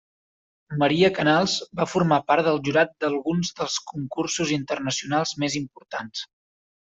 Maria Canals va formar part del jurat d'alguns dels Concursos Internacionals més importants.